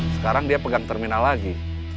sekarang dia pegang terminal lagi